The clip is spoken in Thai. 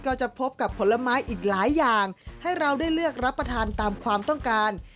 ก็จะพบกับผลไม้อีกหลายอย่างให้เราได้เลือกรับประทานตามความต้องการ